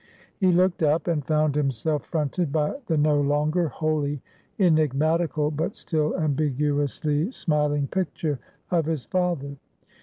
He looked up, and found himself fronted by the no longer wholly enigmatical, but still ambiguously smiling picture of his father.